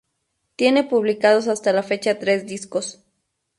Tiene publicados hasta la fecha tres discos.